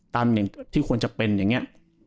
อย่างที่ควรจะเป็นอย่างนี้